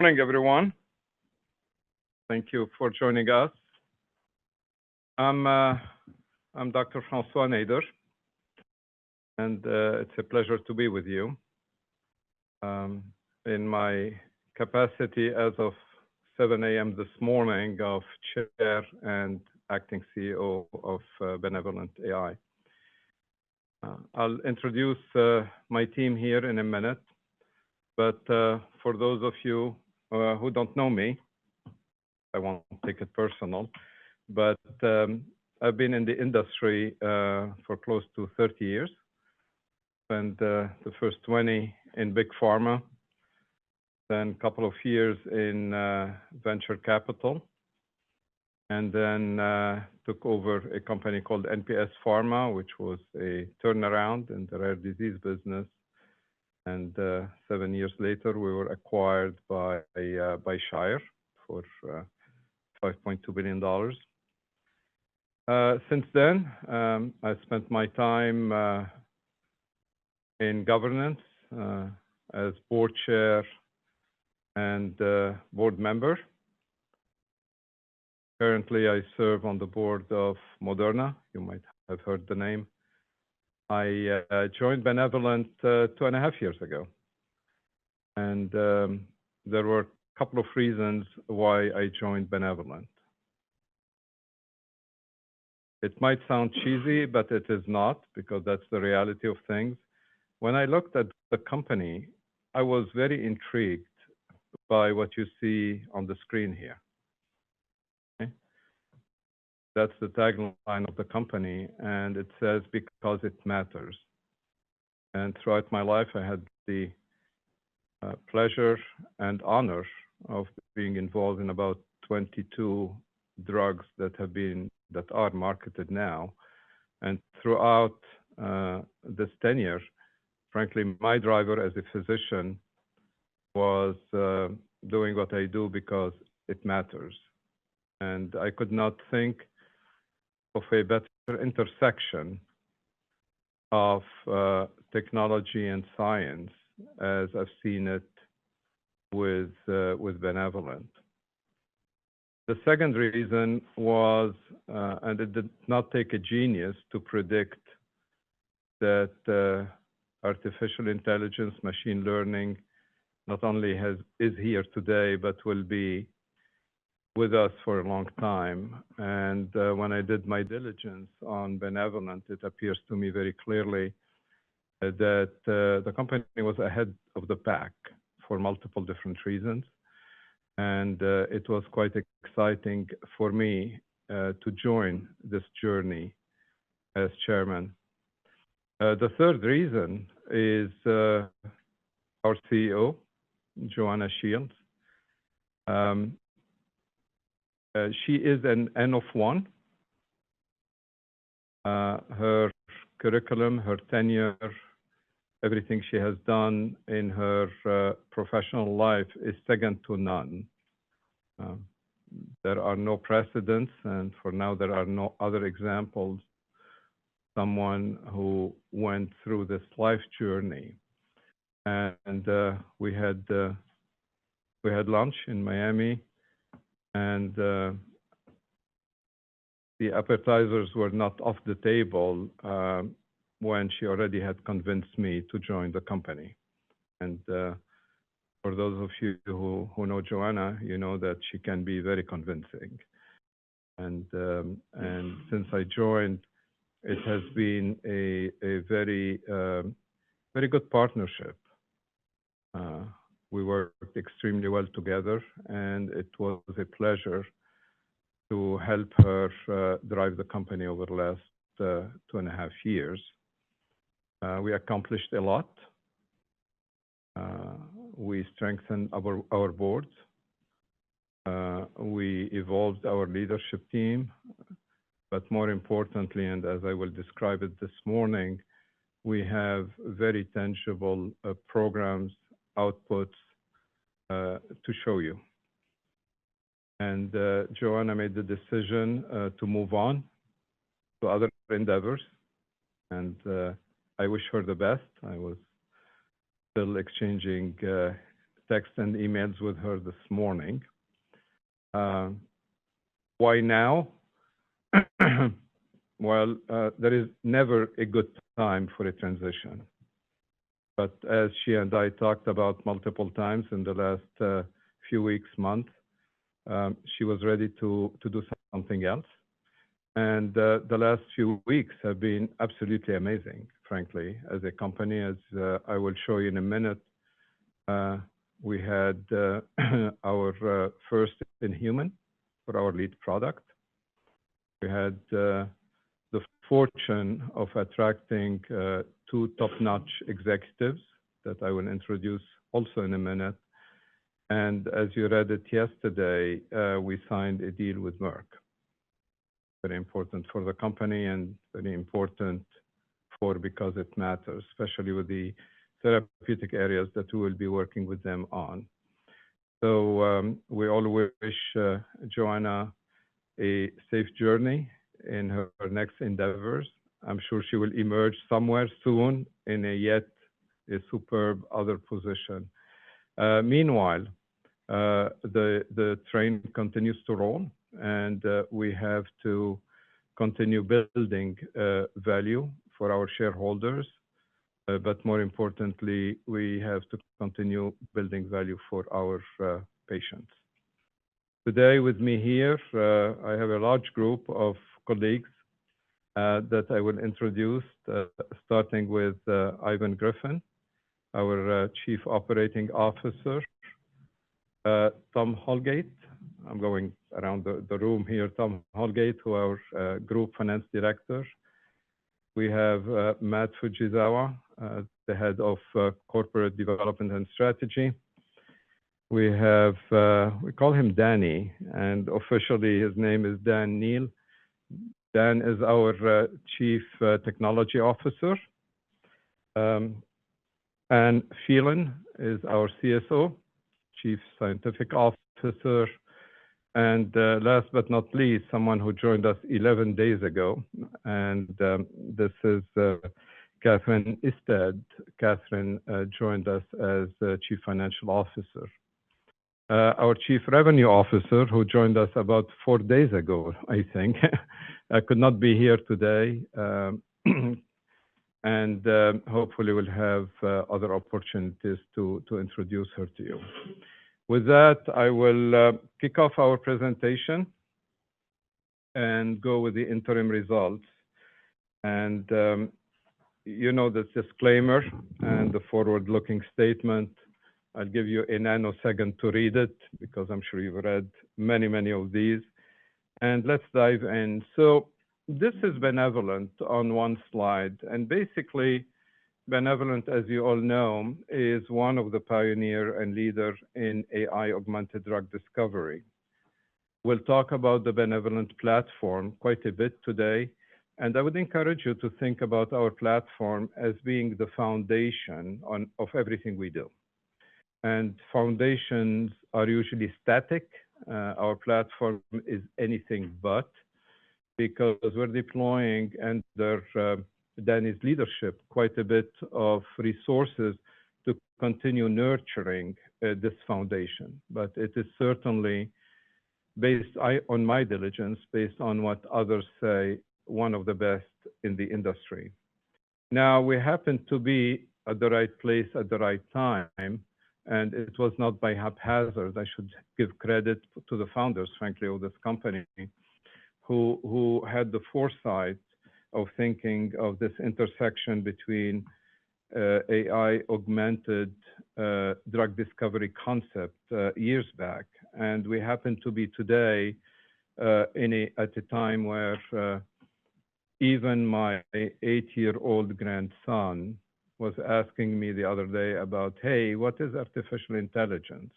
Morning, everyone. Thank you for joining us. I'm Dr. Francois Nader, and it's a pleasure to be with you in my capacity as of 7:00 A.M. this morning of Chair and Acting CEO of BenevolentAI. I'll introduce my team here in a minute, but for those of you who don't know me, I won't take it personal, but I've been in the industry for close to 30 years, the first 20 in big pharma, then a couple of years in venture capital, and then took over a company called NPS Pharmaceuticals, which was a turnaround in the rare disease business, and seven years later, we were acquired by Shire for $5.2 billion. Since then, I spent my time in governance as board chair and board member. Currently, I serve on the board of Moderna. You might have heard the name. I joined Benevolent 2.5 years ago, and there were a couple of reasons why I joined Benevolent. It might sound cheesy, but it is not, because that's the reality of things. When I looked at the company, I was very intrigued by what you see on the screen here. Okay? That's the tagline of the company, and it says, "Because it matters." And throughout my life, I had the pleasure and honor of being involved in about 22 drugs that have been-- that are marketed now. And throughout this tenure, frankly, my driver as a physician was doing what I do because it matters, and I could not think of a better intersection of technology and science as I've seen it with Benevolent. The second reason was... And it did not take a genius to predict that artificial intelligence, machine learning, not only has-- is here today, but will be with us for a long time. And when I did my diligence on Benevolent, it appears to me very clearly that the company was ahead of the pack for multiple different reasons, and it was quite exciting for me to join this journey as chairman. The third reason is our CEO, Joanna Shields. She is an N-of-one. Her curriculum, her tenure, everything she has done in her professional life is second to none. There are no precedents, and for now, there are no other examples, someone who went through this life journey. We had lunch in Miami, and the appetizers were not off the table when she already had convinced me to join the company. For those of you who know Joanna, you know that she can be very convincing. Since I joined, it has been a very good partnership. We work extremely well together, and it was a pleasure to help her drive the company over the last two and a half years. We accomplished a lot. We strengthened our board. We evolved our leadership team, but more importantly, and as I will describe it this morning, we have very tangible programs, outputs to show you. And Joanna made the decision to move on to other endeavors, and I wish her the best. I was still exchanging texts and emails with her this morning. Why now? Well, there is never a good time for a transition, but as she and I talked about multiple times in the last few weeks, month, she was ready to do something else. And the last few weeks have been absolutely amazing, frankly, as a company, as I will show you in a minute. We had our first in human for our lead product. We had the fortune of attracting two top-notch executives that I will introduce also in a minute. As you read it yesterday, we signed a deal with Merck. Very important for the company and very important for Because It Matters, especially with the therapeutic areas that we will be working with them on. We all wish Joanna a safe journey in her next endeavors. I'm sure she will emerge somewhere soon in yet a superb other position. Meanwhile, the train continues to roll, and we have to continue building value for our shareholders. More importantly, we have to continue building value for our patients. Today, with me here, I have a large group of colleagues that I will introduce, starting with Ivan Griffin, our Chief Operating Officer. Tom Holgate. I'm going around the room here. Tom Holgate, who is our Group Finance Director. We have Matt Fujisawa, the Head of Corporate Development and Strategy. We have, we call him Danny, and officially, his name is Dan Neal. Dan is our Chief Technology Officer. Anne Phelan is our CSO, Chief Scientific Officer. Last but not least, someone who joined us 11 days ago, and this is Catherine Istead. Catherine joined us as the Chief Financial Officer. Our Chief Revenue Officer, who joined us about 4 days ago, I think, could not be here today, and hopefully, we'll have other opportunities to introduce her to you. With that, I will kick off our presentation and go with the interim results. You know, the disclaimer and the forward-looking statement. I'll give you a nanosecond to read it because I'm sure you've read many, many of these. Let's dive in. So this is Benevolent on one slide, and basically, Benevolent, as you all know, is one of the pioneer and leader in AI-augmented drug discovery. We'll talk about the Benevolent platform quite a bit today, and I would encourage you to think about our platform as being the foundation of everything we do. Foundations are usually static. Our platform is anything but, because we're deploying under Danny's leadership quite a bit of resources to continue nurturing this foundation. But it is certainly based, on my diligence, based on what others say, one of the best in the industry. Now, we happen to be at the right place at the right time, and it was not by haphazard. I should give credit to the founders, frankly, of this company, who had the foresight of thinking of this intersection between AI-augmented drug discovery concept years back. And we happen to be today in at a time where even my 8-year-old grandson was asking me the other day about, "Hey, what is artificial intelligence?"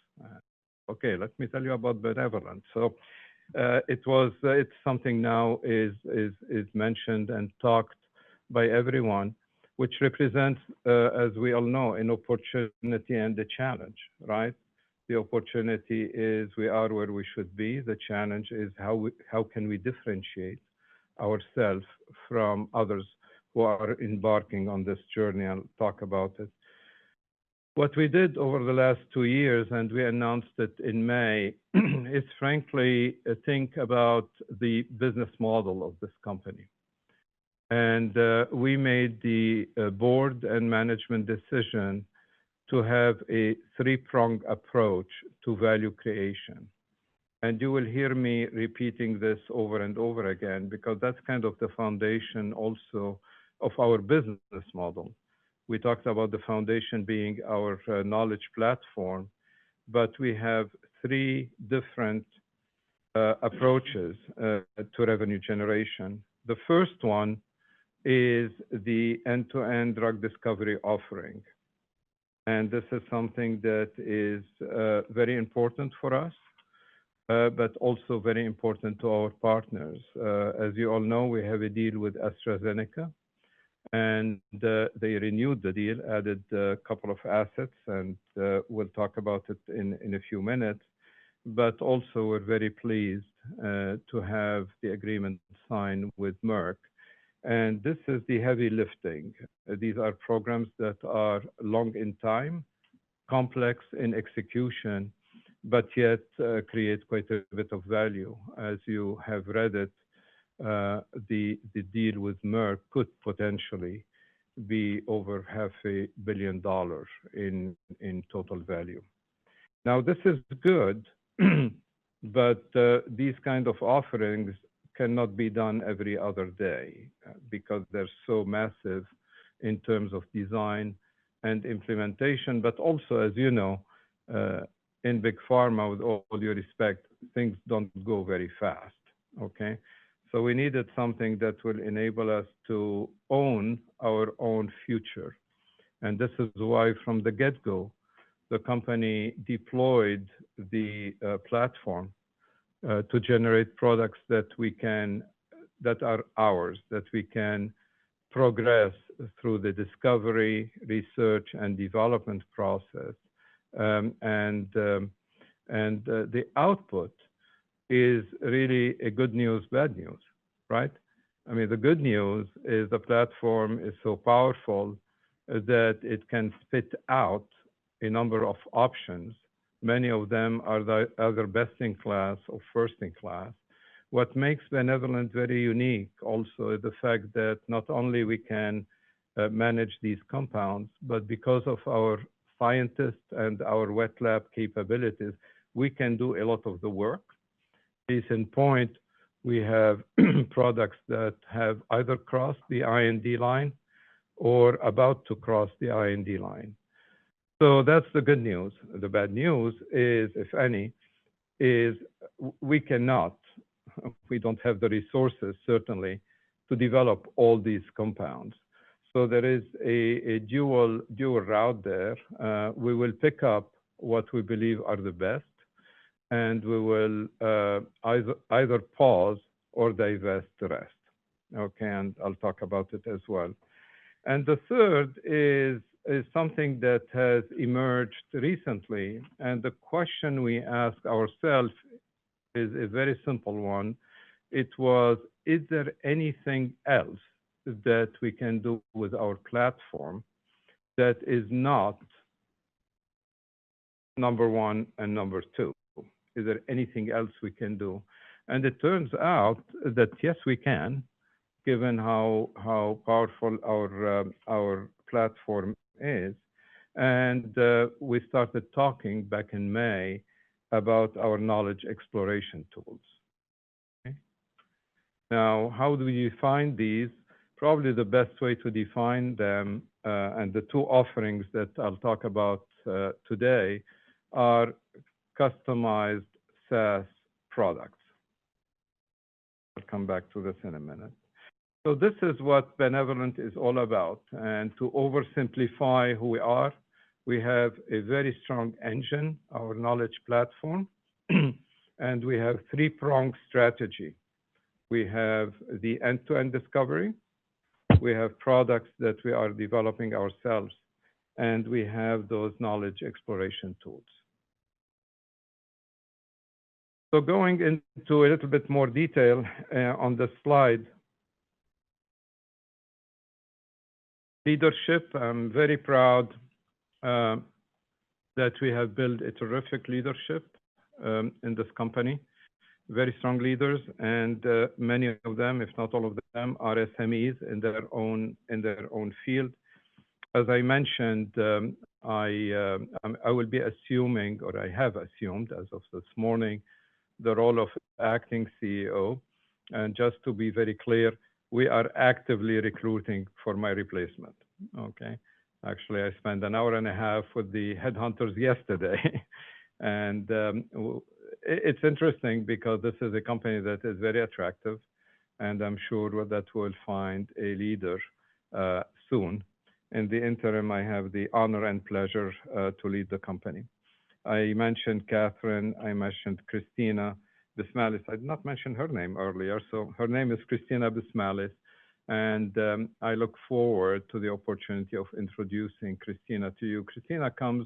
"Okay, let me tell you about Benevolent." So, it's something now is mentioned and talked by everyone, which represents, as we all know, an opportunity and a challenge, right? The opportunity is we are where we should be. The challenge is, how can we differentiate ourself from others who are embarking on this journey and talk about it? What we did over the last two years, and we announced it in May, is frankly think about the business model of this company. We made the board and management decision to have a three-pronged approach to value creation. You will hear me repeating this over and over again, because that's kind of the foundation also of our business model. We talked about the foundation being our knowledge platform, but we have three different approaches to revenue generation. The first one is the end-to-end drug discovery offering, and this is something that is very important for us, but also very important to our partners. As you all know, we have a deal with AstraZeneca, and they renewed the deal, added a couple of assets, and we'll talk about it in a few minutes. But also, we're very pleased to have the agreement signed with Merck. And this is the heavy lifting. These are programs that are long in time, complex in execution, but yet create quite a bit of value. As you have read it, the deal with Merck could potentially be over $500 million in total value. Now, this is good, but these kind of offerings cannot be done every other day because they're so massive in terms of design and implementation. But also, as you know, in big pharma, with all due respect, things don't go very fast, okay? So we needed something that will enable us to own our own future. This is why, from the get-go, the company deployed the platform to generate products that we can—that are ours, that we can progress through the discovery, research, and development process. And the output is really a good news, bad news, right? I mean, the good news is the platform is so powerful that it can spit out a number of options. Many of them are either best-in-class or first in class. What makes Benevolent very unique also is the fact that not only we can manage these compounds, but because of our scientists and our wet lab capabilities, we can do a lot of the work. Case in point, we have products that have either crossed the IND line or about to cross the IND line. So that's the good news. The bad news is, if any, is we cannot, we don't have the resources, certainly, to develop all these compounds. There is a dual, dual route there. We will pick up what we believe are the best, and we will either, either pause or divest the rest. Okay, I'll talk about it as well. The third is something that has emerged recently, and the question we ask ourselves is a very simple one. It was, is there anything else that we can do with our platform that is not number one and number two? Is there anything else we can do? It turns out that, yes, we can, given how powerful our platform is, and we started talking back in May about our knowledge exploration tools. Okay? Now, how do you define these? Probably the best way to define them, and the two offerings that I'll talk about today, are customized SaaS products. I'll come back to this in a minute. So this is what Benevolent is all about, and to oversimplify who we are, we have a very strong engine, our knowledge platform, and we have three-pronged strategy. We have the end-to-end discovery, we have products that we are developing ourselves, and we have those knowledge exploration tools. So going into a little bit more detail on the slide. Leadership, I'm very proud that we have built a terrific leadership in this company, very strong leaders, and many of them, if not all of them, are SMEs in their own, in their own field. As I mentioned, I will be assuming, or I have assumed, as of this morning, the role of acting CEO. And just to be very clear, we are actively recruiting for my replacement, okay? Actually, I spent an hour and a half with the headhunters yesterday. And, it's interesting because this is a company that is very attractive, and I'm sure, well, that we'll find a leader soon. In the interim, I have the honor and pleasure to lead the company. I mentioned Catherine, I mentioned Christina Busmalis. I did not mention her name earlier, so her name is Christina Busmalis, and I look forward to the opportunity of introducing Christina to you. Christina comes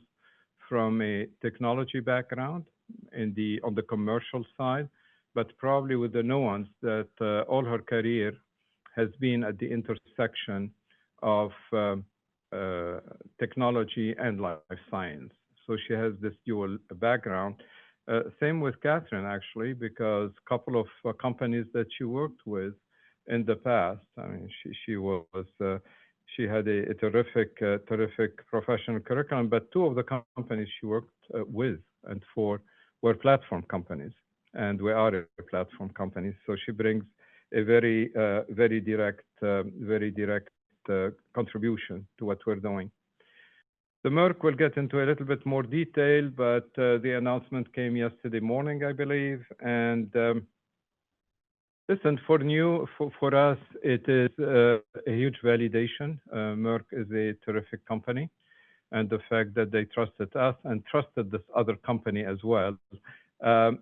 from a technology background in the-- on the commercial side, but probably with the nuance that, all her career has been at the intersection of, technology and life science. So she has this dual background. Same with Catherine, actually, because a couple of companies that she worked with in the past, I mean, she was, she had a terrific professional curriculum, but two of the companies she worked with and for were platform companies, and we are a platform company, so she brings a very direct contribution to what we're doing. The Merck, we'll get into a little bit more detail, but, the announcement came yesterday morning, I believe. And, listen, for us, it is a huge validation. Merck is a terrific company, and the fact that they trusted us and trusted this other company as well.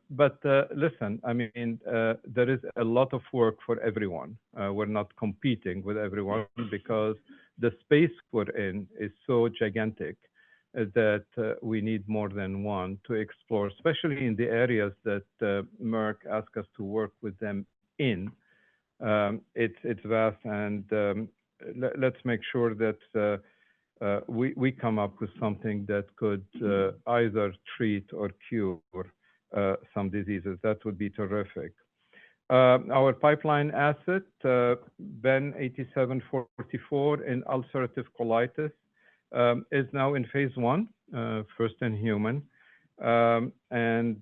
But listen, I mean, there is a lot of work for everyone. We're not competing with everyone because the space we're in is so gigantic that we need more than one to explore, especially in the areas that Merck asked us to work with them in. It's vast, and let's make sure that we come up with something that could either treat or cure some diseases. That would be terrific. Our pipeline asset, BEN-8744 in ulcerative colitis, is now in phase one, first in human. And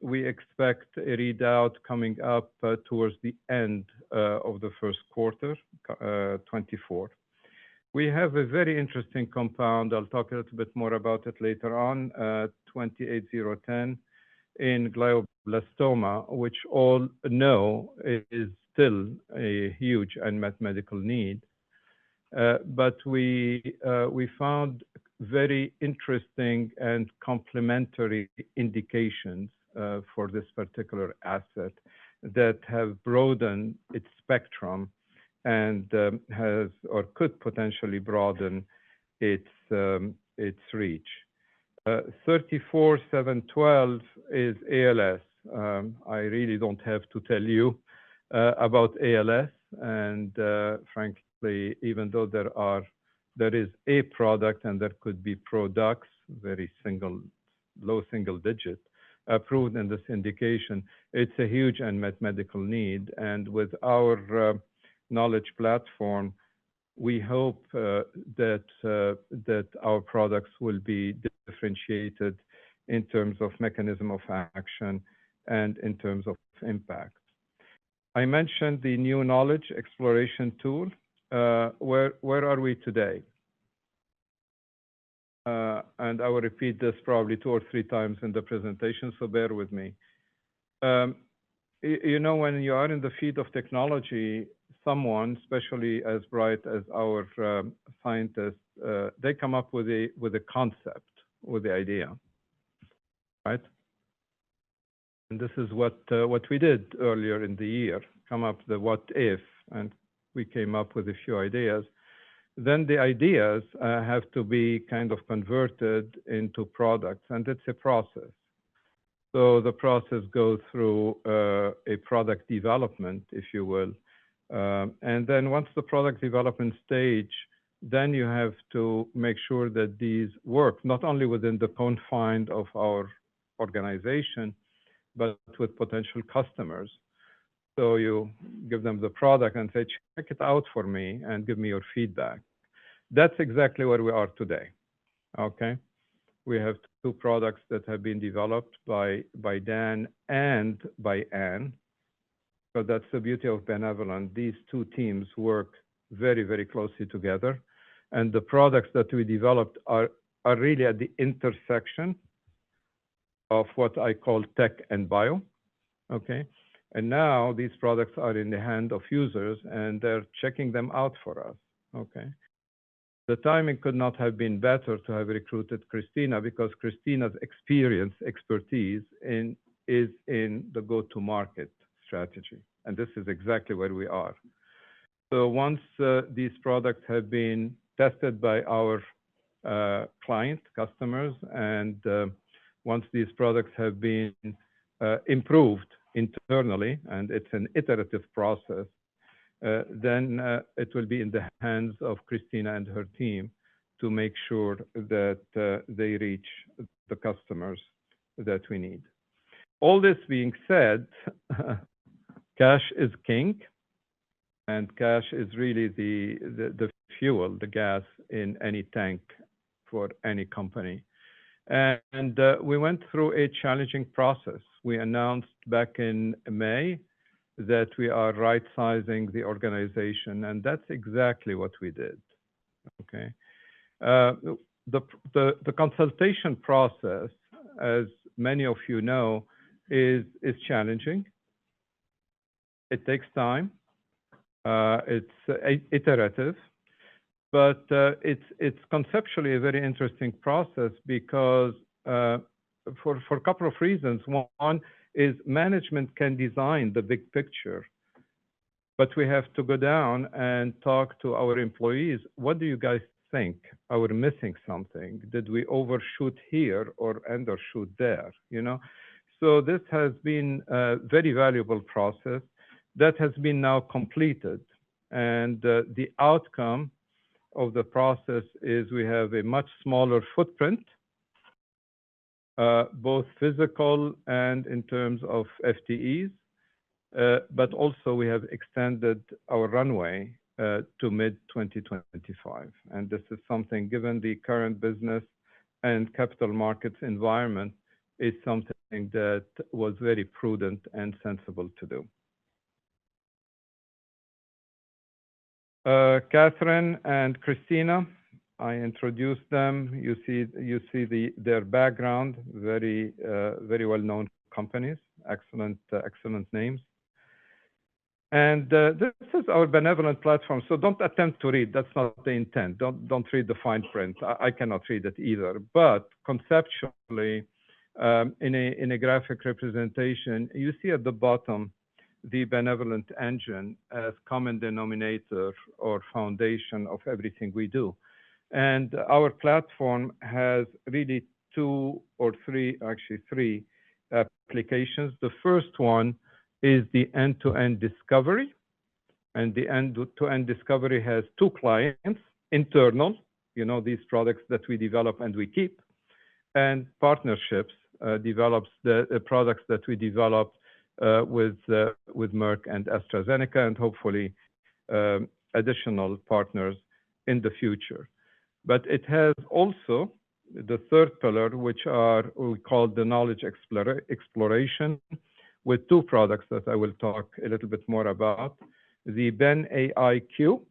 we expect a readout coming up towards the end of the first quarter 2024. We have a very interesting compound. I'll talk a little bit more about it later on, 28010 in glioblastoma, which all know is still a huge unmet medical need. We found very interesting and complementary indications for this particular asset that have broadened its spectrum... and has or could potentially broaden its reach. 34712 is ALS. I really don't have to tell you about ALS. Frankly, even though there is a product and there could be products, very single, low single digit, approved in this indication, it's a huge unmet medical need. With our knowledge platform, we hope that our products will be differentiated in terms of mechanism of action and in terms of impact. I mentioned the new knowledge exploration tool. Where are we today? I will repeat this probably two or three times in the presentation, so bear with me. You know, when you are in the field of technology, someone, especially as bright as our scientists, they come up with a concept or the idea, right? This is what we did earlier in the year, come up with the what if, and we came up with a few ideas. The ideas have to be kind of converted into products, and it's a process. The process goes through a product development, if you will. Once the product development stage, you have to make sure that these work not only within the confines of our organization, but with potential customers. So you give them the product and say, "Check it out for me and give me your feedback." That's exactly where we are today, okay? We have two products that have been developed by Dan and Ann. But that's the beauty of Benevolent. These two teams work very, very closely together, and the products that we developed are really at the intersection of what I call tech and bio, okay? And now these products are in the hand of users, and they're checking them out for us, okay? The timing could not have been better to have recruited Christina, because Christina's experience, expertise in-- is in the go-to-market strategy, and this is exactly where we are. Once these products have been tested by our clients, customers, and once these products have been improved internally, and it's an iterative process, then it will be in the hands of Christina and her team to make sure that they reach the customers that we need. All this being said, cash is king, and cash is really the fuel, the gas in any tank for any company. We went through a challenging process. We announced back in May that we are right-sizing the organization, and that's exactly what we did, okay? The consultation process, as many of you know, is challenging. It takes time, it's iterative, but it's conceptually a very interesting process because, for a couple of reasons. One is management can design the big picture, but we have to go down and talk to our employees. What do you guys think? Are we missing something? Did we overshoot here or undershoot there, you know? This has been a very valuable process that has been now completed, and the outcome of the process is we have a much smaller footprint, both physical and in terms of FTEs, but also we have extended our runway to mid-2025. This is something, given the current business and capital markets environment, that was very prudent and sensible to do. Catherine and Christina, I introduced them. You see, you see their background, very, very well-known companies, excellent, excellent names. This is our Benevolent Platform, so don't attempt to read. That's not the intent. Don't, don't read the fine print. I cannot read it either. But conceptually, in a graphic representation, you see at the bottom, the Benevolent engine as common denominator or foundation of everything we do. And our platform has really two or three, actually three applications. The first one is the end-to-end discovery, and the end-to-end discovery has two clients, internal, you know, these products that we develop and we keep, and partnerships, develops the products that we develop with Merck and AstraZeneca and hopefully, additional partners in the future. But it has also the third pillar, which are, we call the knowledge exploration, with two products that I will talk a little bit more about. The BenAI-Q,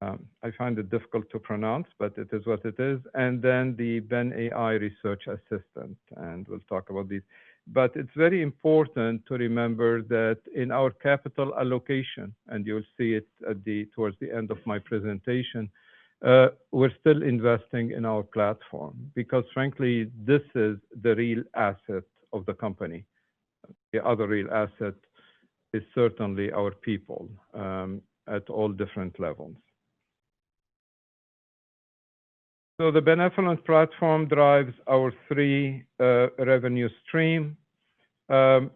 I find it difficult to pronounce, but it is what it is, and then the BenAI Research Assistant, and we'll talk about these. It's very important to remember that in our capital allocation, and you'll see it towards the end of my presentation, we're still investing in our platform because frankly, this is the real asset of the company. The other real asset is certainly our people, at all different levels. The Benevolent Platform drives our three revenue stream. Probably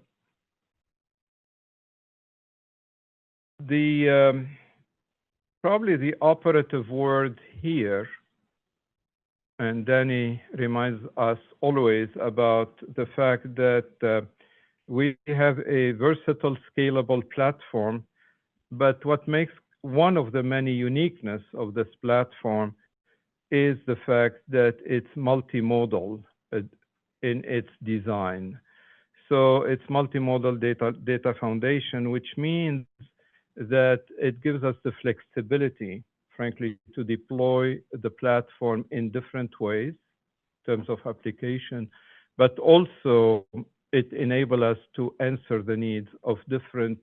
the operative word here, and Danny reminds us always about the fact that we have a versatile, scalable platform. What makes one of the many uniqueness of this platform is the fact that it's multimodal in its design. It's multimodal data, data foundation, which means that it gives us the flexibility, frankly, to deploy the platform in different ways in terms of application, but also it enable us to answer the needs of different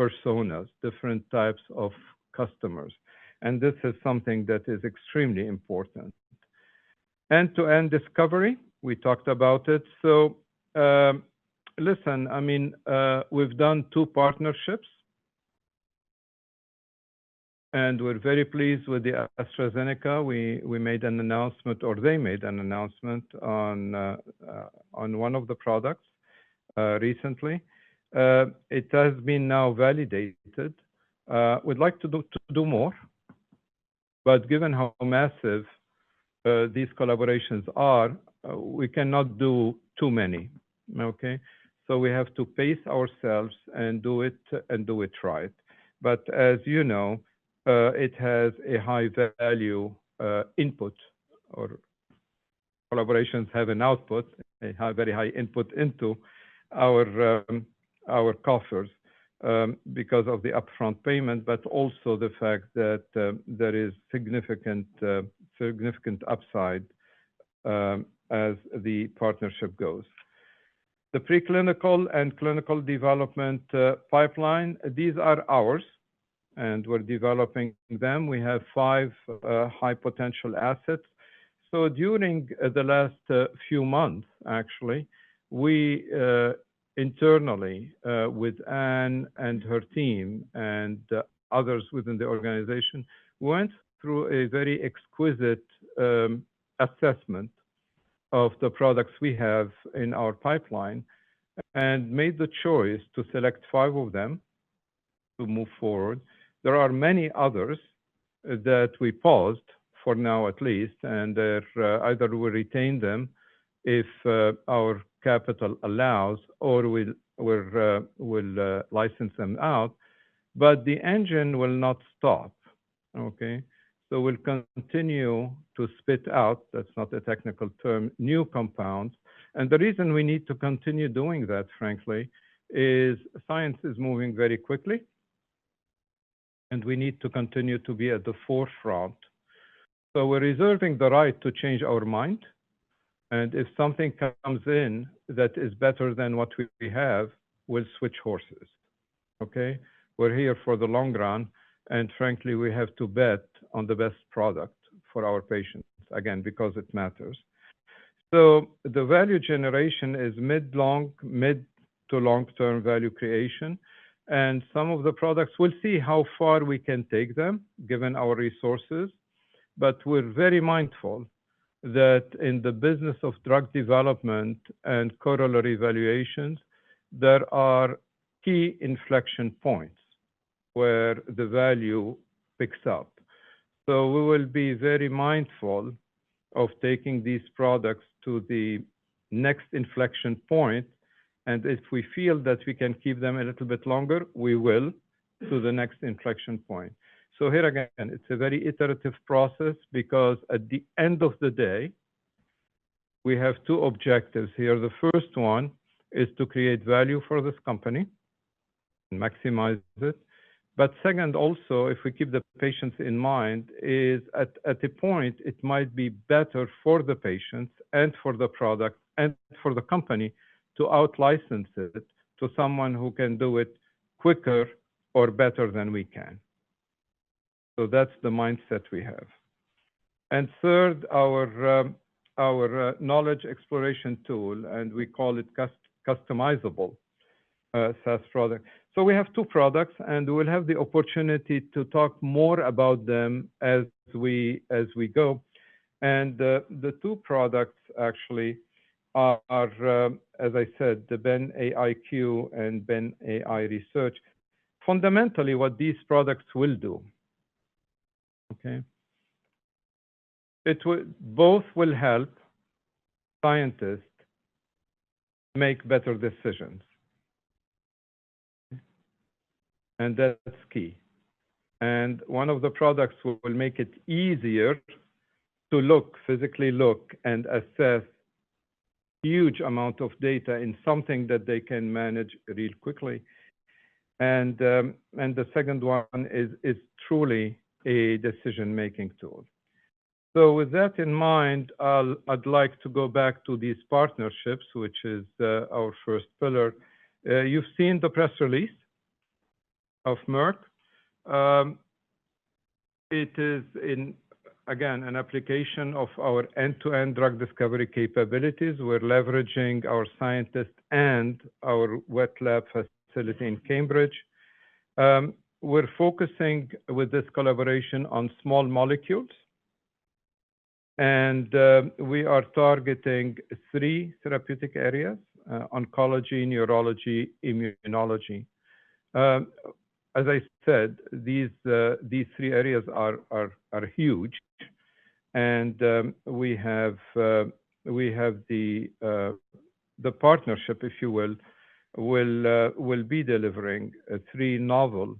personas, different types of customers. This is something that is extremely important. End-to-end discovery, we talked about it. So, listen, I mean, we've done two partnerships, and we're very pleased with the AstraZeneca. We made an announcement, or they made an announcement on, on one of the products, recently. It has been now validated. We'd like to do more, but given how massive these collaborations are, we cannot do too many, okay? So we have to pace ourselves and do it, and do it right. But as you know, it has a high value input, or collaborations have an output. They have very high input into our coffers, because of the upfront payment, but also the fact that there is significant upside, as the partnership goes. The preclinical and clinical development pipeline, these are ours, and we're developing them. We have five high potential assets. So during the last few months, actually, we internally with Anne and her team and others within the organization, went through a very exquisite assessment of the products we have in our pipeline and made the choice to select five of them to move forward. There are many others that we paused for now at least, and either we retain them if our capital allows, or we'll license them out. But the engine will not stop, okay? So we'll continue to spit out, that's not a technical term, new compounds. And the reason we need to continue doing that, frankly, is science is moving very quickly, and we need to continue to be at the forefront. We're reserving the right to change our mind, and if something comes in that is better than what we have, we'll switch horses, okay? We're here for the long run, and frankly, we have to bet on the best product for our patients, again, because it matters. The value generation is mid to long-term value creation, and some of the products, we'll see how far we can take them, given our resources. We're very mindful that in the business of drug development and corollary valuations, there are key inflection points where the value picks up. We will be very mindful of taking these products to the next inflection point, and if we feel that we can keep them a little bit longer, we will, to the next inflection point. Here again, it's a very iterative process because at the end of the day, we have two objectives here. The first one is to create value for this company and maximize it. Second, also, if we keep the patients in mind, at a point, it might be better for the patients and for the product and for the company to out-license it to someone who can do it quicker or better than we can. That's the mindset we have. Third, our knowledge exploration tool, and we call it customizable SaaS product. We have two products, and we'll have the opportunity to talk more about them as we go. The two products actually are, as I said, the BenAI-Q and BenAI Research. Fundamentally, what these products will do, okay? Both will help scientists make better decisions. And that's key. And one of the products will make it easier to physically look and assess huge amount of data in something that they can manage real quickly. And the second one is truly a decision-making tool. So with that in mind, I'd like to go back to these partnerships, which is our first pillar. You've seen the press release of Merck. It is, again, an application of our end-to-end drug discovery capabilities. We're leveraging our scientists and our wet lab facility in Cambridge. We're focusing with this collaboration on small molecules, and we are targeting three therapeutic areas: oncology, neurology, immunology. As I said, these, these three areas are, are, are huge, and we have, we have the, the partnership, if you will, will be delivering, three novel,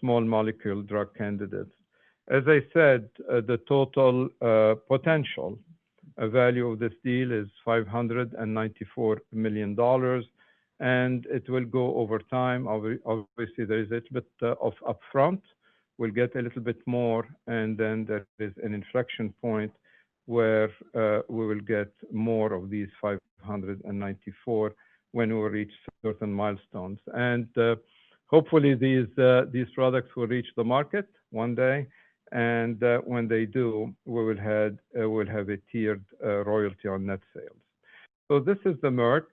small molecule drug candidates. As I said, the total, potential, value of this deal is $594 million, and it will go over time. Obviously, there is a bit, of upfront. We'll get a little bit more, and then there is an inflection point where, we will get more of these $594 million when we reach certain milestones. Hopefully, these, these products will reach the market one day, and, when they do, we will have, we'll have a tiered, royalty on net sales. This is the Merck.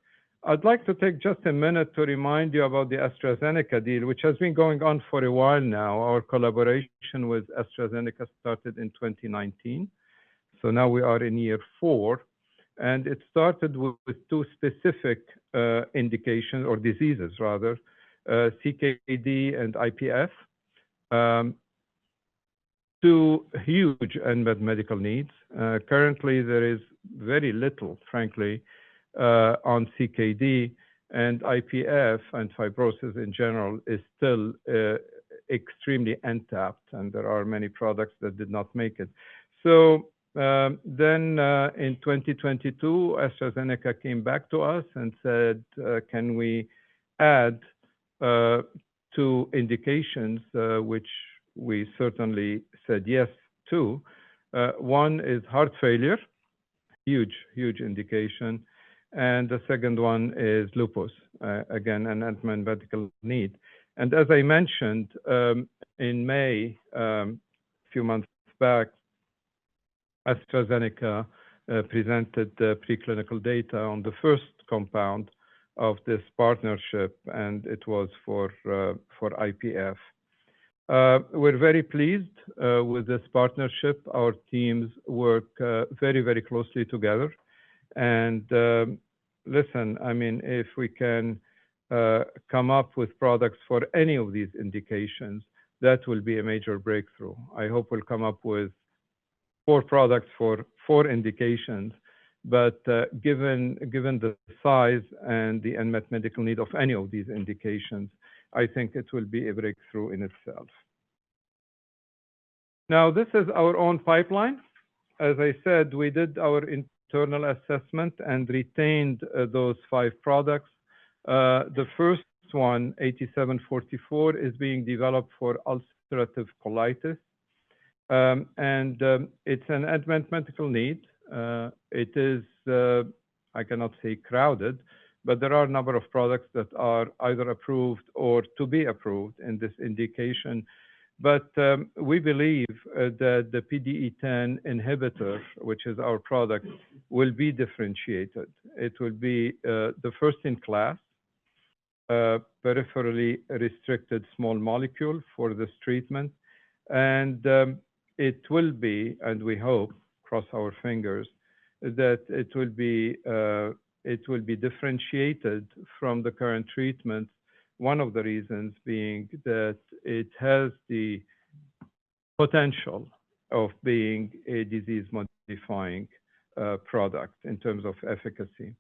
I'd like to take just a minute to remind you about the AstraZeneca deal, which has been going on for a while now. Our collaboration with AstraZeneca started in 2019. Now we are in year 4, and it started with two specific indications or diseases, rather, CKD and IPF, two huge unmet medical needs. Currently, there is very little, frankly, on CKD and IPF, and fibrosis in general is still extremely untapped, and there are many products that did not make it. Then, in 2022, AstraZeneca came back to us and said, "Can we add two indications?" which we certainly said yes to. One is heart failure, huge, huge indication, and the second one is lupus, again, an unmet medical need. As I mentioned, in May, a few months back, AstraZeneca presented the preclinical data on the first compound of this partnership, and it was for IPF. We're very pleased with this partnership. Our teams work very, very closely together. I mean, if we can come up with products for any of these indications, that will be a major breakthrough. I hope we'll come up with four products for four indications, but given the size and the unmet medical need of any of these indications, I think it will be a breakthrough in itself. Now, this is our own pipeline. As I said, we did our internal assessment and retained those five products. The first one, 8,744, is being developed for ulcerative colitis. It's an unmet medical need. It is. I cannot say crowded, but there are a number of products that are either approved or to be approved in this indication. But, we believe that the PDE10 inhibitor, which is our product, will be differentiated. It will be the first-in-class peripherally restricted small molecule for this treatment, and it will be, and we hope, cross our fingers, that it will be differentiated from the current treatment. One of the reasons being that it has the potential of being a disease-modifying product in terms of efficacy.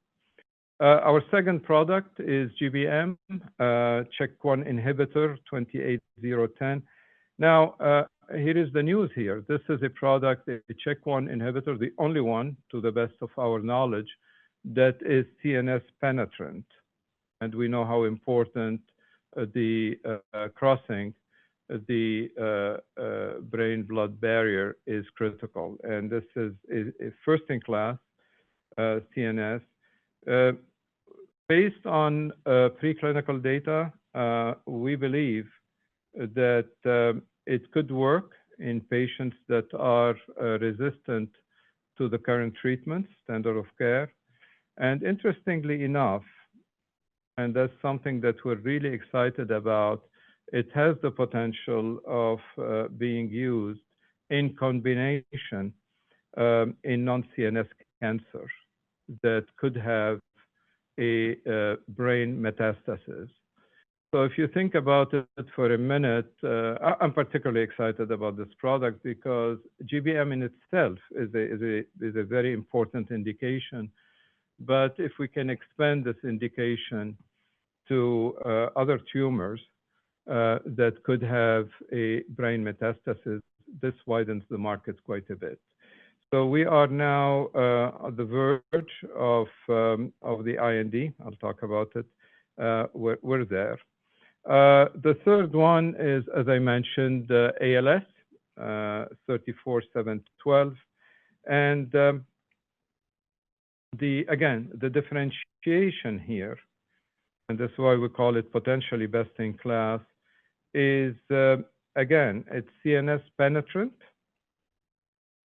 Our second product is GBM CHK1 inhibitor 28010. Now, here is the news here. This is a product, a CHK1 inhibitor, the only one, to the best of our knowledge, that is CNS penetrant, and we know how important, the, crossing, the, blood-brain barrier is critical. And this is a, a first-in-class, CNS. Based on, preclinical data, we believe that, it could work in patients that are, resistant to the current treatment standard of care. And interestingly enough, and that's something that we're really excited about, it has the potential of, being used in combination, in non-CNS cancers that could have a, brain metastasis. So if you think about it for a minute, I, I'm particularly excited about this product because GBM in itself is a, is a, is a very important indication. If we can expand this indication to other tumors that could have a brain metastasis, this widens the market quite a bit. We are now on the verge of the IND. I'll talk about it. We're there. The third one is, as I mentioned, ALS, 34712, and, again, the differentiation here, and that's why we call it potentially best-in-class, is, again, it's CNS penetrant,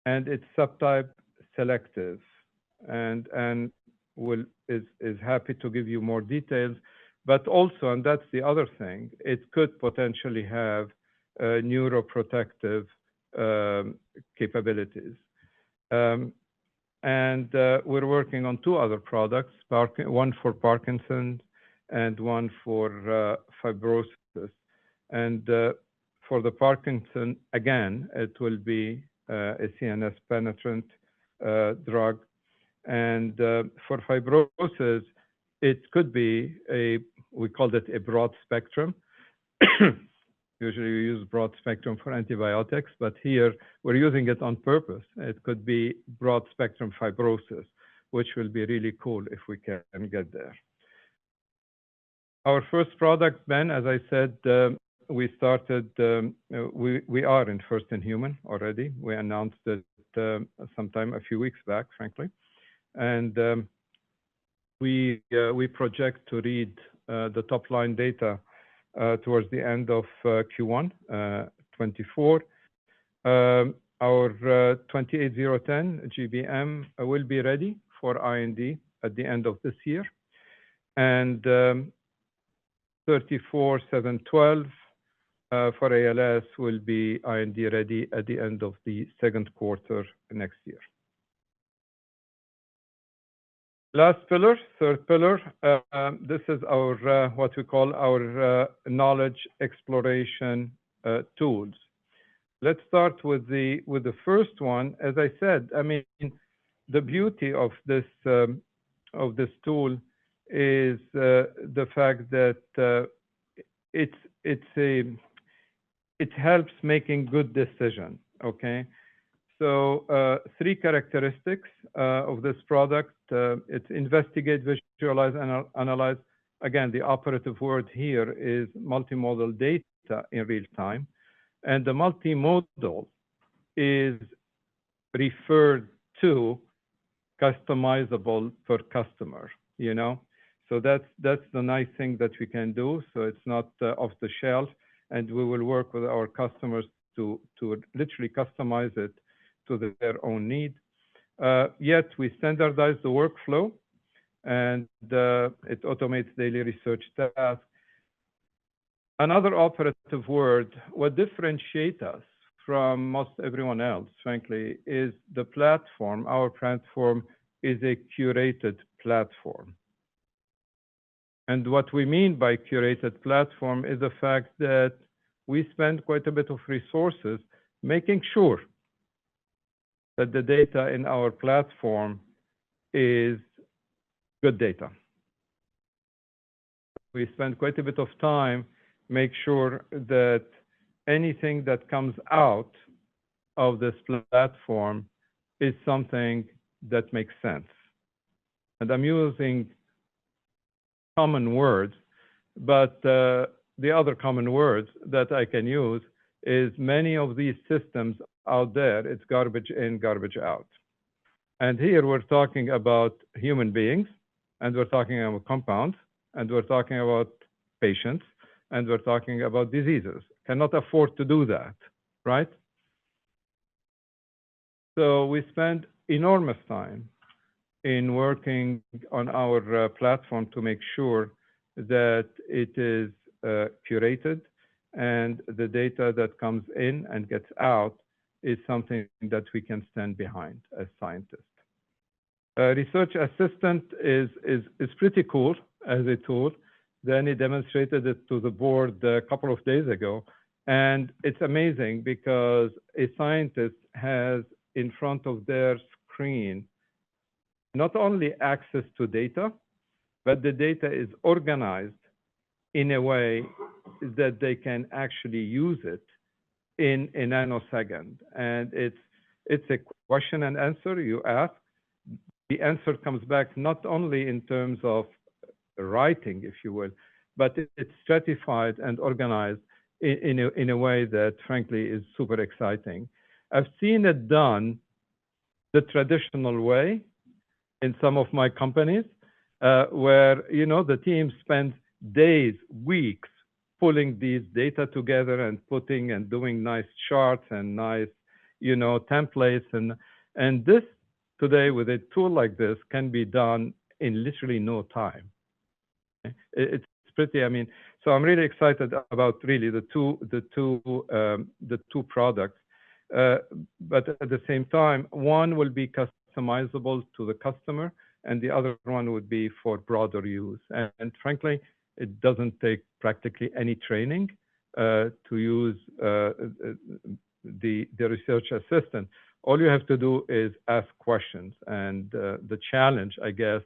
and it's subtype selective, and we'll-- is happy to give you more details. But also, and that's the other thing, it could potentially have neuroprotective capabilities. We're working on two other products, one for Parkinson's and one for fibrosis. For the Parkinson, again, it will be a CNS penetrant drug. For fibrosis, it could be a. We call it a broad spectrum. Usually, we use broad spectrum for antibiotics, but here we're using it on purpose. It could be broad-spectrum fibrosis, which will be really cool if we can get there. Our first product, BEN, as I said, we are in first-in-human already. We announced it sometime a few weeks back, frankly. We project to read the top-line data towards the end of Q1 2024. Our BEN-28010 GBM will be ready for IND at the end of this year, and BEN-34712 for ALS will be IND ready at the end of the second quarter next year. Last pillar, third pillar, this is our what we call our knowledge exploration tools. Let's start with the first one. As I said, I mean, the beauty of this tool is the fact that it helps making good decisions, okay? So three characteristics of this product: it investigate, visualize, analyze. Again, the operative word here is multimodal data in real time, and the multimodal is referred to customizable for customer, you know? So that's the nice thing that we can do, so it's not off the shelf, and we will work with our customers to literally customize it to their own needs. Yet we standardize the workflow, and it automates daily research tasks. Another operative word, what differentiate us from most everyone else, frankly, is the platform. Our platform is a curated platform. What we mean by curated platform is the fact that we spend quite a bit of resources making sure that the data in our platform is good data. We spend quite a bit of time, make sure that anything that comes out of this platform is something that makes sense. I'm using common words, but, the other common words that I can use is many of these systems out there, it's garbage in, garbage out. Here we're talking about human beings, and we're talking about compounds, and we're talking about patients, and we're talking about diseases. Cannot afford to do that, right? We spend enormous time in working on our, platform to make sure that it is, curated, and the data that comes in and gets out is something that we can stand behind as scientists. A research assistant is, is, is pretty cool as a tool. Danny demonstrated it to the board a couple of days ago, and it's amazing because a scientist has, in front of their screen, not only access to data, but the data is organized in a way that they can actually use it in a nanosecond. It's, it's a question and answer. You ask, the answer comes back, not only in terms of writing, if you will, but it's stratified and organized in, in a, in a way that, frankly, is super exciting. I've seen it done the traditional way in some of my companies, where, you know, the team spends days, weeks pulling these data together and putting and doing nice charts and nice, you know, templates, and, and this today, with a tool like this, can be done in literally no time. It's pretty, I mean... So I'm really excited about the two products. But at the same time, one will be customizable to the customer, and the other one would be for broader use. And frankly, it doesn't take practically any training to use the research assistant. All you have to do is ask questions, and the challenge, I guess,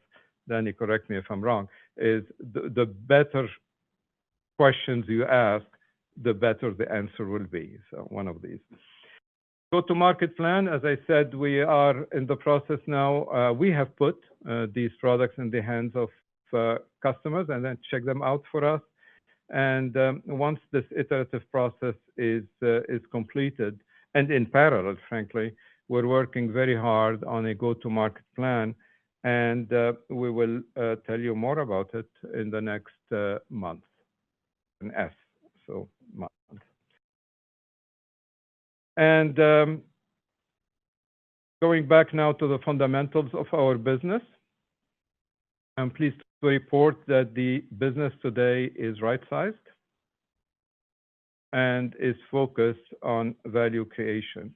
Danny, correct me if I'm wrong, is the better questions you ask, the better the answer will be. So one of these. Go-to-market plan, as I said, we are in the process now. We have put these products in the hands of customers, and then check them out for us. Once this iterative process is completed and in parallel, frankly, we're working very hard on a go-to-market plan, and we will tell you more about it in the next month. Going back now to the fundamentals of our business, I'm pleased to report that the business today is right-sized and is focused on value creation.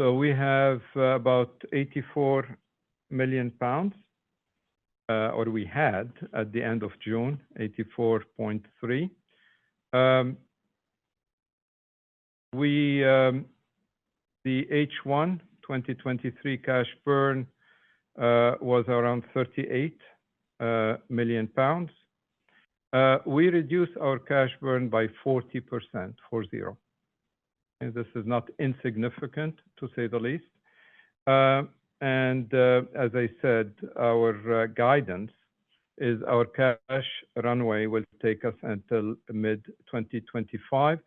So we have about 84 million pounds, or we had at the end of June, 84.3 million. The H1 2023 cash burn was around 38 million pounds. We reduced our cash burn by 40%, 40, and this is not insignificant, to say the least. As I said, our guidance is our cash runway will take us until mid-2025.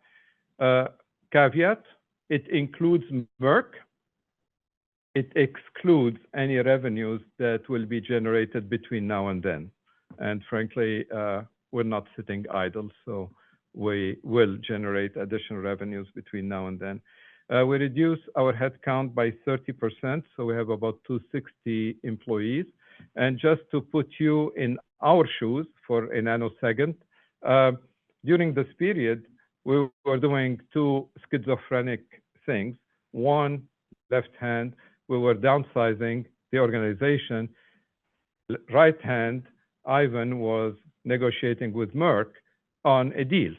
Caveat, it includes Merck. It excludes any revenues that will be generated between now and then. Frankly, we're not sitting idle, so we will generate additional revenues between now and then. We reduced our headcount by 30%, so we have about 260 employees. Just to put you in our shoes for a nanosecond, during this period, we were doing two schizophrenic things. One, left hand, we were downsizing the organization. Right hand, Ivan was negotiating with Merck on a deal.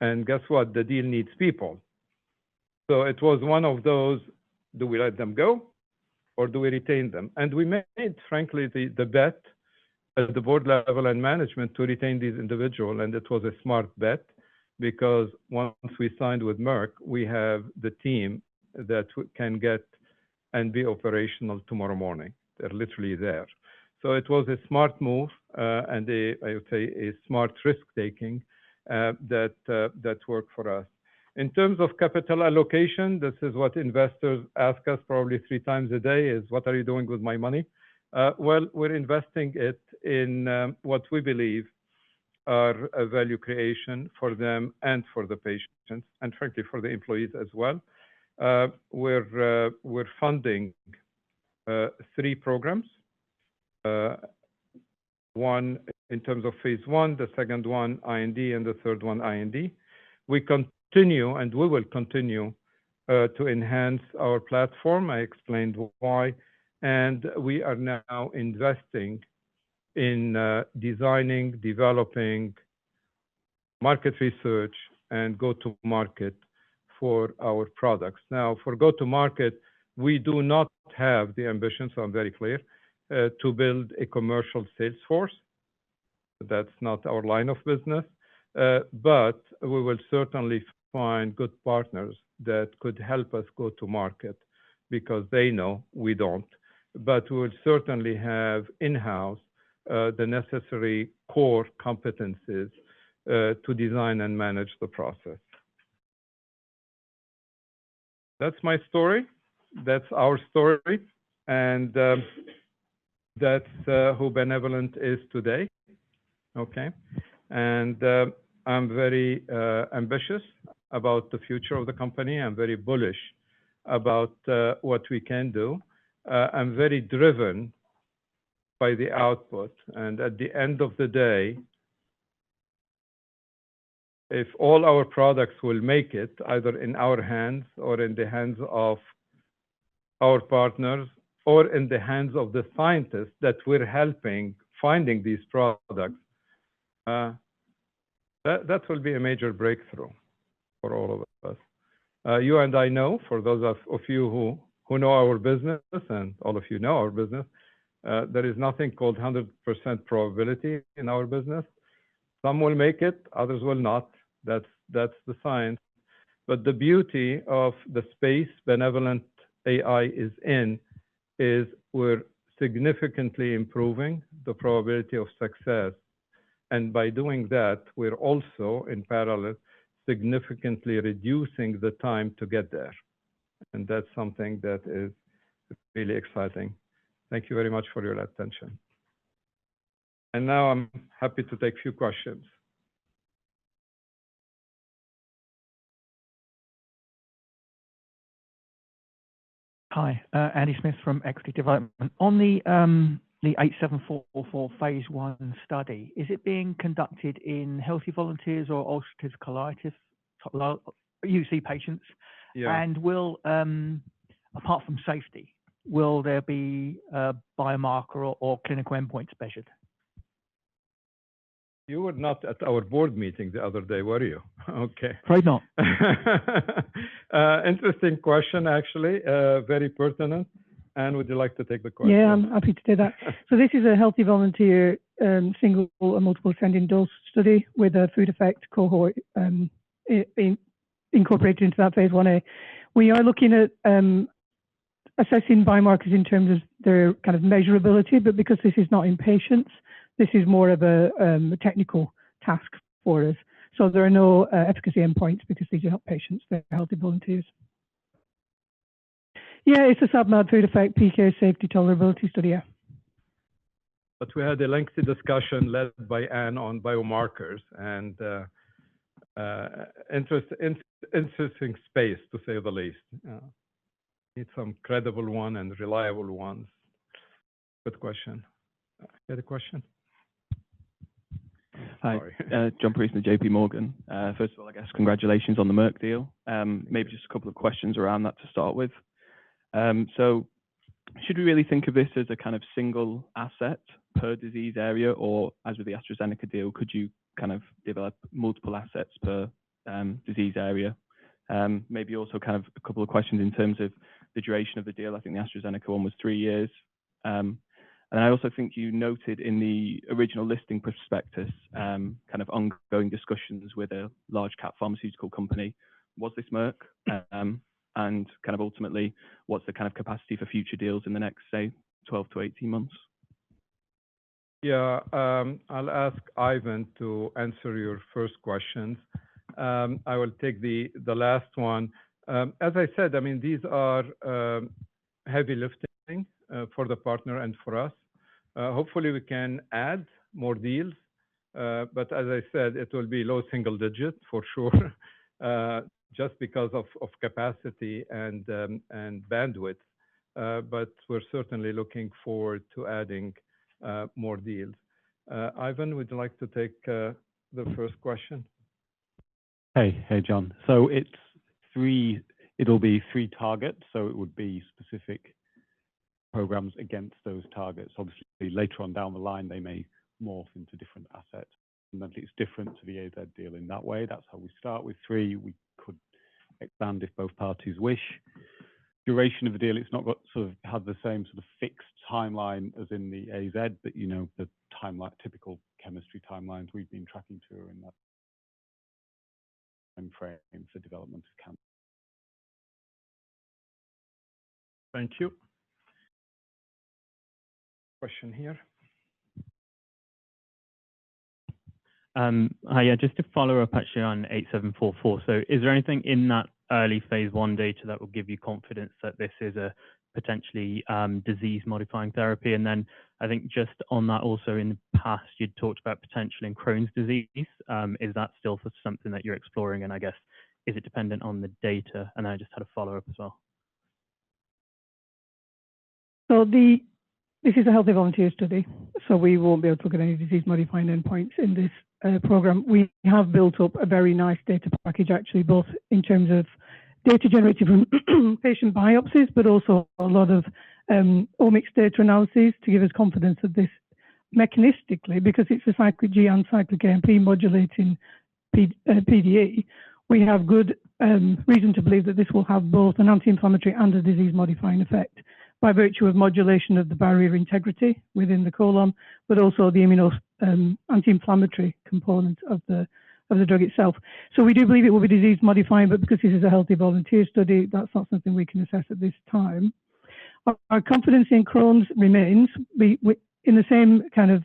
Guess what? The deal needs people. It was one of those, do we let them go or do we retain them? We made, frankly, the bet at the board level and management to retain these individual, and it was a smart bet, because once we signed with Merck, we have the team that can get and be operational tomorrow morning. They're literally there. So it was a smart move, and a, I would say, a smart risk-taking, that, that worked for us. In terms of capital allocation, this is what investors ask us probably three times a day, is, "What are you doing with my money?" Well, we're investing it in, what we believe are a value creation for them and for the patients, and frankly, for the employees as well. We're, we're funding, three programs. One, in terms of Phase 1, the second one, IND, and the third one, IND. We continue, and we will continue, to enhance our platform. I explained why, and we are now investing in, designing, developing market research, and go-to-market for our products. Now, for go-to-market, we do not have the ambition, so I'm very clear, to build a commercial sales force. That's not our line of business, but we will certainly find good partners that could help us go to market because they know we don't. But we'll certainly have in-house the necessary core competencies to design and manage the process. That's my story. That's our story, and that's who Benevolent is today, okay? And I'm very ambitious about the future of the company. I'm very bullish about what we can do. I'm very driven by the output, and at the end of the day, if all our products will make it, either in our hands or in the hands of our partners, or in the hands of the scientists that we're helping finding these products, that, that will be a major breakthrough for all of us. You and I know, for those of you who know our business, and all of you know our business, there is nothing called 100% probability in our business. Some will make it, others will not. That's the science. But the beauty of the space BenevolentAI is in is we're significantly improving the probability of success, and by doing that, we're also in parallel significantly reducing the time to get there. And that's something that is really exciting. Thank you very much for your attention. And now I'm happy to take few questions. Hi, Andy Smith from Equity Development. On the eight seven four four Phase 1 study, is it being conducted in healthy volunteers or ulcerative colitis, UC patients? Yeah. Apart from safety, will there be a biomarker or clinical endpoint measured? You were not at our board meeting the other day, were you? Okay. Fraid not. Interesting question, actually, very pertinent. Anne, would you like to take the question? Yeah, I'm happy to do that. So this is a healthy volunteer single and multiple ascending dose study with a food effect cohort incorporated into that Phase 1a. We are looking at assessing biomarkers in terms of their kind of measurability, but because this is not in patients, this is more of a technical task for us. So there are no efficacy endpoints because these are not patients, they're healthy volunteers. Yeah, it's a sub-IND 3-5 PK safety tolerability study, yeah. But we had a lengthy discussion led by Anne on biomarkers and interest in interesting space, to say the least. Need some credible one and reliable ones. Good question. You had a question? Hi. Sorry. John Preece from J.P. Morgan. First of all, I guess congratulations on the Merck deal. Maybe just a couple of questions around that to start with. So should we really think of this as a kind of single asset per disease area, or as with the AstraZeneca deal, could you kind of develop multiple assets per disease area? Maybe also kind of a couple of questions in terms of the duration of the deal. I think the AstraZeneca one was three years. And I also think you noted in the original listing prospectus, kind of ongoing discussions with a large cap pharmaceutical company, was this Merck? And kind of ultimately, what's the kind of capacity for future deals in the next, say, 12-18 months? Yeah, I'll ask Ivan to answer your first questions. I will take the last one. I mean, these are heavy lifting for the partner and for us. Hopefully, we can add more deals, as I said, it will be low single digit, for sure, just because of capacity and bandwidth. We're certainly looking forward to adding more deals. Ivan, would you like to take the first question? Hey, hey, John. So it's 3-- it'll be 3 targets, so it would be specific programs against those targets. Obviously, later on down the line, they may morph into different assets. And then it's different to the AZ deal in that way. That's how we start with 3. We could expand if both parties wish. Duration of the deal, it's not got sort of have the same sort of fixed timeline as in the AZ, but, you know, the timeline, typical chemistry timelines we've been tracking to in that timeframe for development to come. Thank you. Question here? Hi, yeah, just to follow up actually on 8744. So is there anything in that early Phase 1 data that will give you confidence that this is a potentially disease-modifying therapy? And then I think just on that also in the past, you'd talked about potentially in Crohn's disease, is that still something that you're exploring? And I guess, is it dependent on the data? And I just had a follow-up as well. So this is a healthy volunteer study, so we won't be able to look at any disease-modifying endpoints in this program. We have built up a very nice data package, actually, both in terms of data generated from patient biopsies, but also a lot of omics data analysis to give us confidence of this mechanistically, because it's a cyclic G, cyclic GMP modulating PDE. We have good reason to believe that this will have both an anti-inflammatory and a disease-modifying effect, by virtue of modulation of the barrier integrity within the colon, but also the immuno anti-inflammatory component of the drug itself. So we do believe it will be disease-modifying, but because this is a healthy volunteer study, that's not something we can assess at this time. Our confidence in Crohn's remains. In the same kind of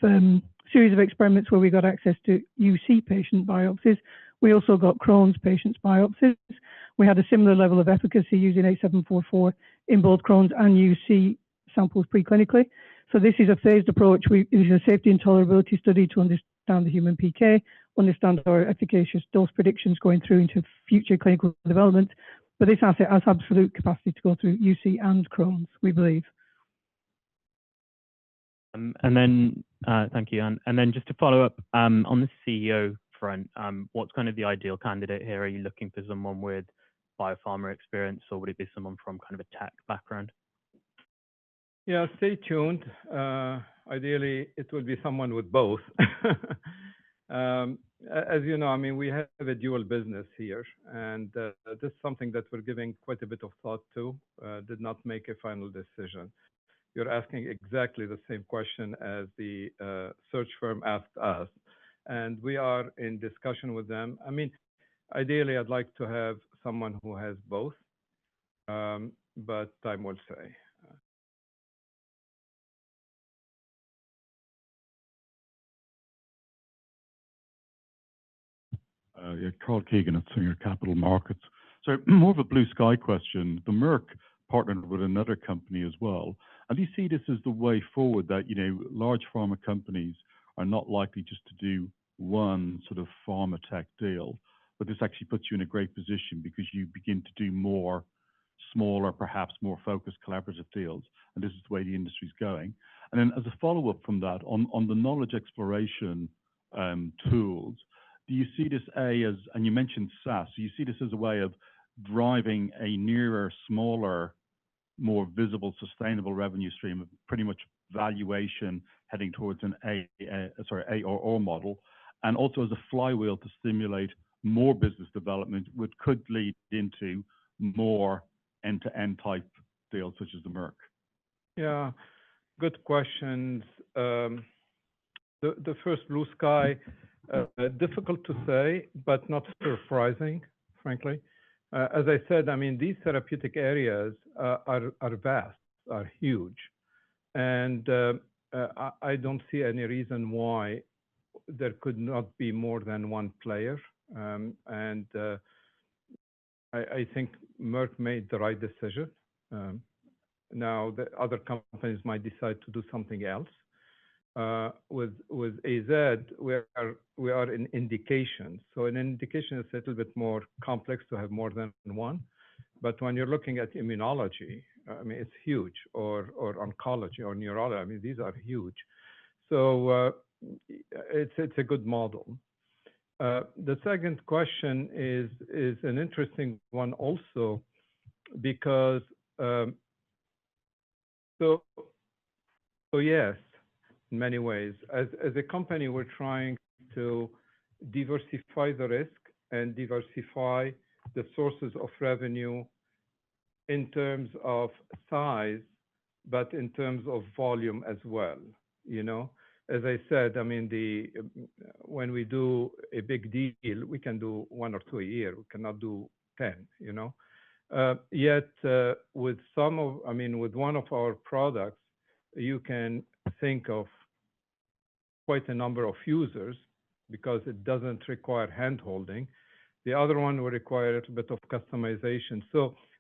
series of experiments where we got access to UC patient biopsies, we also got Crohn's patients biopsies. We had a similar level of efficacy using BEN-8744 in both Crohn's and UC samples preclinically. So this is a Phased approach. It is a safety and tolerability study to understand the human PK, understand our efficacious dose predictions going through into future clinical development. But this asset has absolute capacity to go through UC and Crohn's, we believe. And then, thank you. And, and then just to follow up, on the CEO front, what's kind of the ideal candidate here? Are you looking for someone with biopharma experience, or would it be someone from kind of a tech background? Yeah, stay tuned. Ideally, it will be someone with both. As you know, I mean, we have a dual business here, and this is something that we're giving quite a bit of thought to. Did not make a final decision. You're asking exactly the same question as the search firm asked us, and we are in discussion with them. I mean, ideally, I'd like to have someone who has both, but time will say. Yeah, Karl Keegan of Singer Capital Markets. So more of a blue-sky question. The Merck partnered with another company as well. And you see this as the way forward that, you know, large pharma companies are not likely just to do one sort of pharma tech deal, but this actually puts you in a great position because you begin to do more smaller, perhaps more focused collaborative deals, and this is the way the industry is going. And then as a follow-up from that, on the knowledge exploration tools, do you see this, A, as... And you mentioned SaaS, do you see this as a way of driving a nearer, smaller, more visible, sustainable revenue stream of pretty much valuation heading towards an A or O model, and also as a flywheel to stimulate more business development, which could lead into more end-to-end type deals, such as the Merck?... Yeah, good questions. The first blue sky difficult to say, but not surprising, frankly. As I said, I mean, these therapeutic areas are vast, are huge, and I don't see any reason why there could not be more than one player. I think Merck made the right decision. Now, the other companies might decide to do something else. With AZ, we are in indications. So an indication is a little bit more complex to have more than one, but when you're looking at immunology, I mean, it's huge, or oncology or neurology. I mean, these are huge. So it's a good model. The second question is an interesting one also because so yes, in many ways. As a company, we're trying to diversify the risk and diversify the sources of revenue in terms of size, but in terms of volume as well, you know? As I said, I mean, when we do a big deal, we can do one or two a year. We cannot do ten, you know? Yet, with some of... I mean, with one of our products, you can think of quite a number of users because it doesn't require handholding. The other one will require a little bit of customization.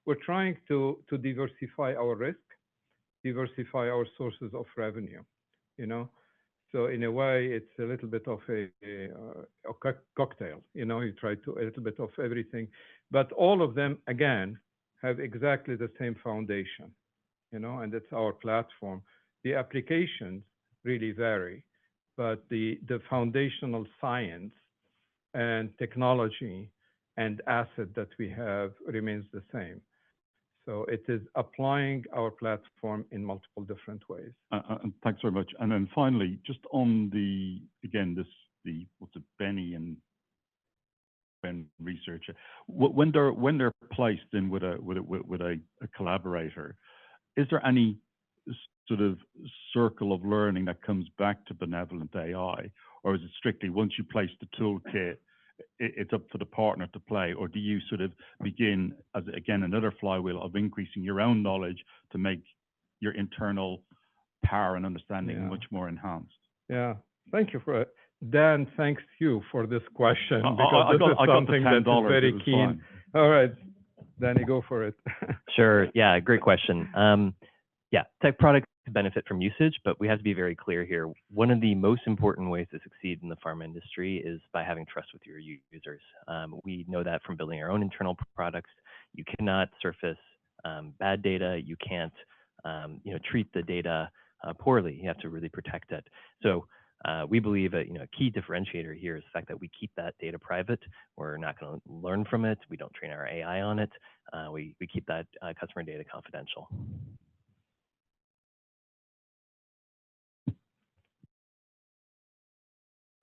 We're trying to diversify our risk, diversify our sources of revenue, you know? In a way, it's a little bit of a cocktail. You know, you try to a little bit of everything, but all of them, again, have exactly the same foundation, you know, and that's our platform. The applications really vary, but the foundational science and technology and asset that we have remains the same. So it is applying our platform in multiple different ways. And thanks very much. And then finally, just on the, again, this, the, what's it, BenAI research. When they're placed in with a collaborator, is there any sort of circle of learning that comes back to BenevolentAI? Or is it strictly once you place the toolkit, it's up to the partner to play, or do you sort of begin as, again, another flywheel of increasing your own knowledge to make your internal power and understanding- Yeah. much more enhanced? Yeah. Thank you for it. Dan, thanks to you for this question- Oh, I got the $10. because this is something that is very key. All right, Danny, go for it. Sure. Yeah, great question. Yeah, tech products benefit from usage, but we have to be very clear here. One of the most important ways to succeed in the pharma industry is by having trust with your users. We know that from building our own internal products, you cannot surface bad data, you can't, you know, treat the data poorly. You have to really protect it. So, we believe that, you know, a key differentiator here is the fact that we keep that data private. We're not gonna learn from it. We don't train our AI on it. We keep that customer data confidential.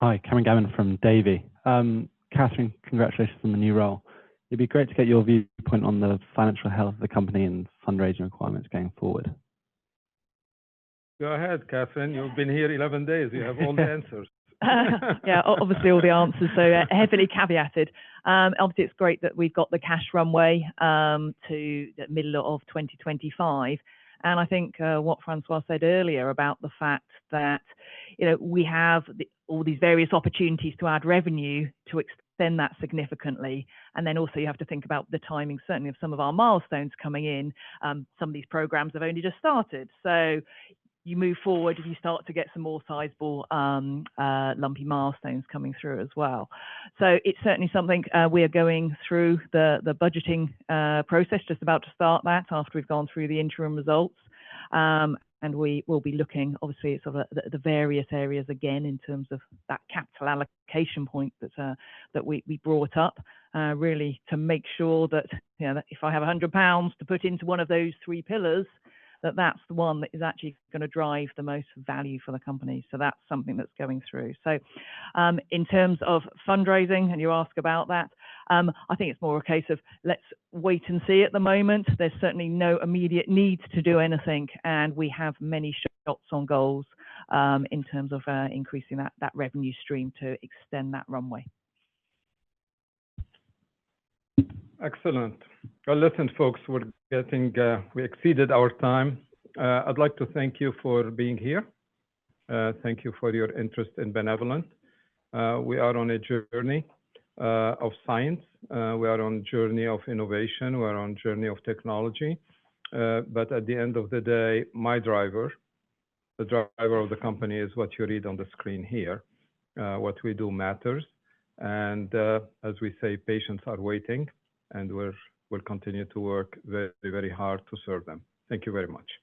Hi, Cameron Gavin from Davy. Catherine, congratulations on the new role. It'd be great to get your viewpoint on the financial health of the company and fundraising requirements going forward. Go ahead, Catherine. You've been here 11 days. You have all the answers. Yeah, obviously, all the answers, so heavily caveated. Obviously, it's great that we've got the cash runway to the middle of 2025. I think what Francois said earlier about the fact that, you know, we have all these various opportunities to add revenue to extend that significantly. You also have to think about the timing, certainly of some of our milestones coming in. Some of these programs have only just started. You move forward, and you start to get some more sizable, lumpy milestones coming through as well. It's certainly something we are going through, the budgeting process, just about to start that after we've gone through the interim results. We will be looking, obviously, sort of the various areas again, in terms of that capital allocation point that we brought up, really to make sure that, you know, that if I have 100 pounds to put into one of those three pillars, that that's the one that is actually gonna drive the most value for the company. So that's something that's going through. So, in terms of fundraising, and you ask about that, I think it's more a case of let's wait and see at the moment. There's certainly no immediate need to do anything, and we have many shots on goals, in terms of increasing that revenue stream to extend that runway. Excellent. Well, listen, folks, we're getting, we exceeded our time. I'd like to thank you for being here. Thank you for your interest in Benevolent. We are on a journey of science. We are on a journey of innovation. We are on a journey of technology. But at the end of the day, my driver, the driver of the company, is what you read on the screen here. What we do matters, and, as we say, patients are waiting, and we'll, we'll continue to work very, very hard to serve them. Thank you very much.